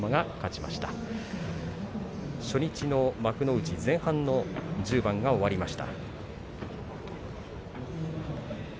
初日の幕内前半の１０番が終わりました。